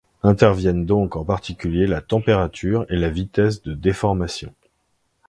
Interviennent donc en particulier la température et la vitesse de déformation.